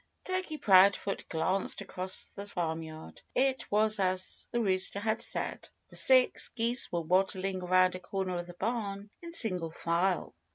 Turkey Proudfoot glanced across the farmyard. It was as the rooster had said. The six geese were waddling around a corner of the barn in single file.